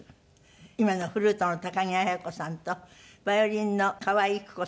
今のフルートの高木綾子さんとヴァイオリンの川井郁子さん